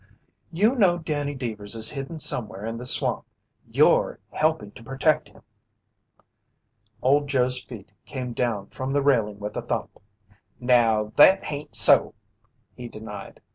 "You know Danny Deevers is hidden somewhere in the swamp! You're helping to protect him!" Old Joe's feet came down from the railing with a thump. "Now that hain't so!" he denied.